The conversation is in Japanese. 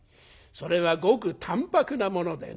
それはごく淡泊なものでな」。